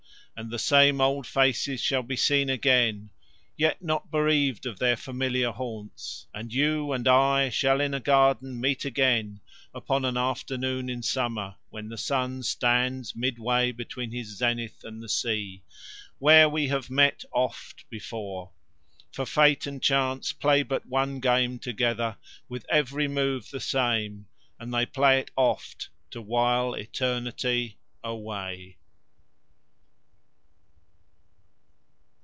And the same old faces shall be seen again, yet not bereaved of their familiar haunts. And you and I shall in a garden meet again upon an afternoon in summer when the sun stands midway between his zenith and the sea, where we met oft before. For Fate and Chance play but one game together with every move the same, and they play it oft to while eternity away.